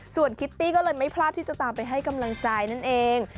ส่วนคิตตี้ก็เลยไม่พลาดที่จะตามไปให้กำลังใจนั่นเอง